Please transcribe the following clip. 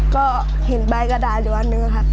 ก็เห็นใบกระดาษอยู่อันนึงค่ะ